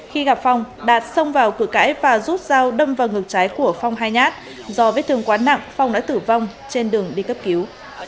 khi gặp phong đạt xông vào cửa cãi và rút dao đâm vào ngực trái của phong hai nhát do vết thương quá nặng phong đã tử vong trên đường đi cấp cứu